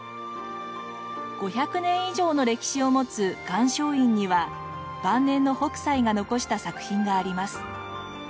５００年以上の歴史を持つ岩松院には晩年の北斎が残した作品があります。